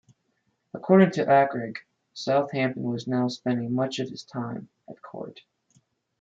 According to Akrigg, Southampton was now spending much of his time at court.